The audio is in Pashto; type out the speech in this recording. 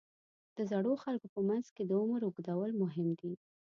د زړو خلکو په منځ کې د عمر اوږدول مهم دي.